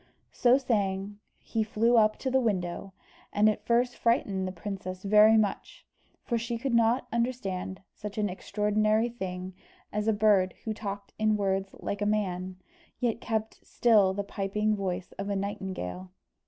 So saying he flew up to the window, and at first frightened the princess very much, for she could not understand such an extraordinary thing as a bird who talked in words like a man, yet kept still the piping voice of a nightingale.